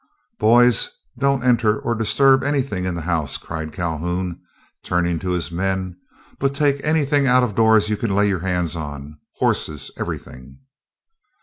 "Boys, don't enter or disturb anything in the house," cried Calhoun, turning to his men, "but take anything out of doors you can lay your hands on; horses, everything."